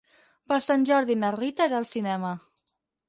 Per Sant Jordi na Rita irà al cinema.